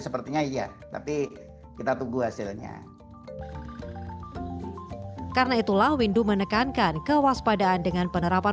sepertinya iya tapi kita tunggu hasilnya karena itulah windu menekankan kewaspadaan dengan penerapan